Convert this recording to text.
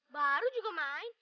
baru juga main